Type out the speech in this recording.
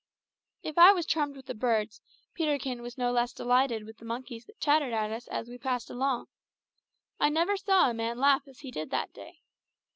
If I was charmed with the birds, Peterkin was no less delighted with the monkeys that chattered at us as we passed along. I never saw a man laugh as he did that day.